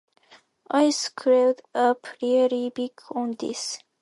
I screwed up really big on this.